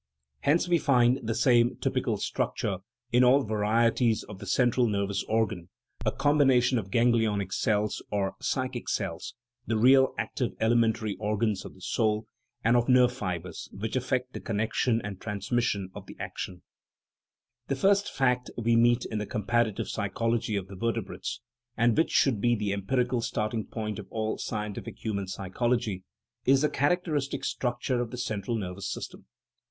Hence we find the same typical structure in all varieties of the central nervous organ a combination of ganglionic cells, or "psychic cells" (the real active elementary organs of the soul), and of nerve fibres, which effect the connection and trans mission of the action. The first fact we meet in the comparative psychol ogy of the vertebrates, and which should be the em* * Cf . Natural History of Creation. 164 THE PHYLOGENY OF THE SOUL pirical starting point of all scientific human psychology, is the characteristic structure of the central nervous system.